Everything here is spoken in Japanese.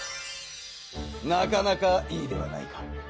なかなかいいではないか。